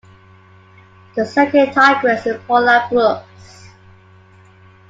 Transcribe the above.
The second Tigress is Paula Brooks.